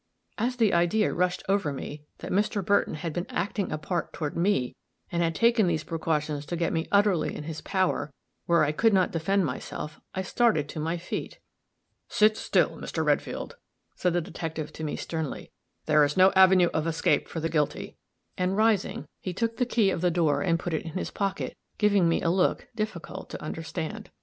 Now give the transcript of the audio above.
As the idea rushed over me that Mr. Burton had been acting a part toward me, and had taken these precautions to get me utterly in his power, where I could not defend myself, I started to my feet. "Sit still, Mr. Redfield," said the detective to me, sternly. "There is no avenue of escape for the guilty," and rising, he took the key of the door and put it in his pocket, giving me a look difficult to understand.